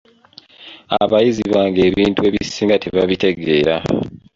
Abayizi bange ebintu ebisinga tebabitegeera.